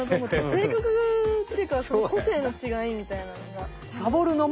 せいかくっていうか個性の違いみたいなのが。